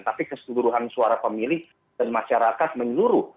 tapi keseluruhan suara pemilih dan masyarakat menyeluruh